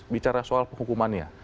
bicara soal hukumannya